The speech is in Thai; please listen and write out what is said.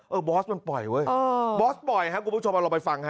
บอสมันปล่อยเว้ยบอสบ่อยครับคุณผู้ชมเอาลองไปฟังฮะ